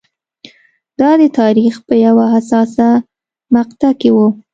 دا د تاریخ په یوه حساسه مقطعه کې و.